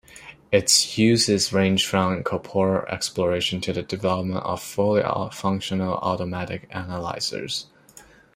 Its uses range from corpora exploration to the development of fully functional automatic analysers.